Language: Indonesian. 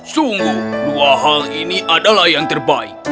sungguh dua hal ini adalah yang terbaik